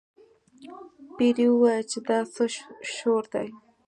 پیري وویل چې دا څه شور دی.